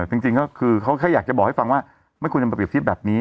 จริงก็คือเขาแค่อยากจะบอกให้ฟังว่าไม่ควรจะมาเปรียบเทียบแบบนี้